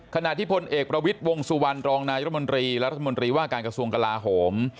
ขณะที่พลเอกประวิทย์วงสุวรรณรองนายรัฐมนตรีและรัฐมนตรีว่าการกระทรวงกลาโหม